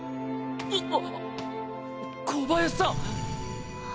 うっ小林さん。